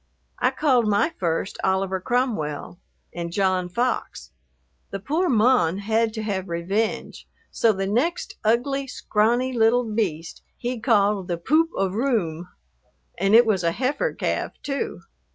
I called my first "Oliver Cromwell" and "John Fox." The poor "mon" had to have revenge, so the next ugly, scrawny little beast he called the "Poop of Roome." And it was a heifer calf, too.